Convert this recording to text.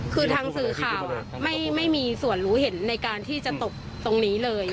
คือทางสื่อข่าวไม่มีส่วนรู้เห็นในการที่จะตกตรงนี้เลย